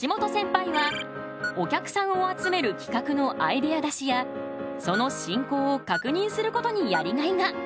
橋本センパイはお客さんを集める企画のアイデア出しやその進行を確認することにやりがいが！